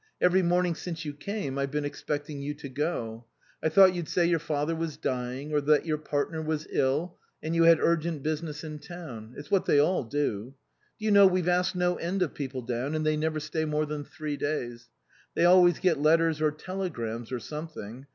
Every morning since you came I've been expect ing you to go. I thought you'd say your father was dying, or that your partner was ill, and you had urgent business in town. It's what they all do. Do you know, we've asked no end of people down, and they never stay more than three days. They always get letters or telegrams, or something.